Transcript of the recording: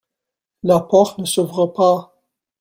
La porte ne s'ouvre pas.